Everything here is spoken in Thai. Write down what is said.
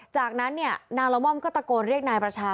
จากนั้นเนี่ยนางละม่อมก็ตะโกนเรียกนายประชา